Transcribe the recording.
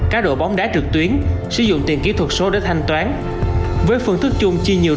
cá độ bóng đá trực tuyến sử dụng tiền kỹ thuật số để thanh toán với phương thức chung chi nhiều